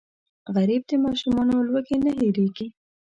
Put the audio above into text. غریب د ماشومتوب لوږې نه هېرېږي